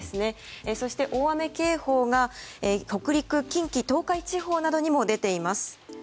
そして、大雨警報が北陸、近畿、東海地方などにも出ています。